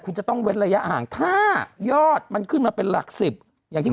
คุณจะต้องเว้นระยะห่างถ้ายอดมันขึ้นมาเป็นหลัก๑๐อย่างที่บอก